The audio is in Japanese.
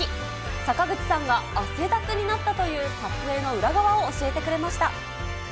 坂口さんが汗だくになったという撮影の裏側を教えてくれました。